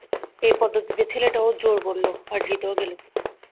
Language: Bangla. এই পদ্ধতিতে ছেলেটাও জোড় বলল, আর জিতেও গেল।